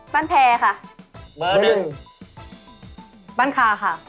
บ้านแพรค่ะเบอร์๑อ๋ออ๋อบ้านคาค่ะ